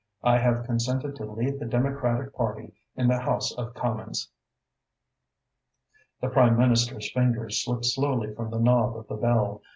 I have consented to lead the Democratic Party in the House of Commons." The Prime Minister's fingers slipped slowly from the knob of the bell.